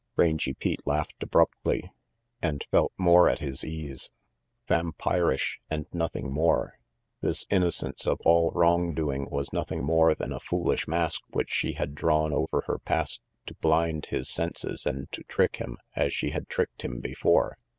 Rangy Pete laughed abruptly, and felt more at his ease. Vampirish, and nothing more. This innocence of all wrong doing was nothing more than a foolish mask which she had drawn over her past to blind his senses and to trick him as she had tricked him before.